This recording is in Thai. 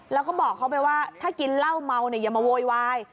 แล้วก็บอกเขาไปว่าถ้ากินเหล้าเมาเนี่ยอย่ามาโวยวาย